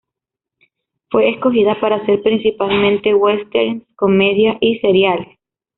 Fue escogida para hacer principalmente westerns, comedias, y seriales.